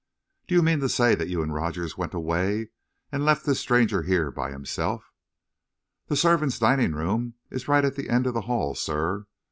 "Do you mean to say that you and Rogers went away and left this stranger here by himself?" "The servants' dining room is right at the end of the hall, sir.